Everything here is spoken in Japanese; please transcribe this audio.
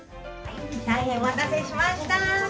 お待たせしました。